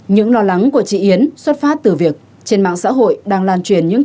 những lo lắng của chị yến xuất phát từ việc trên mạng xã hội đang lan truyền những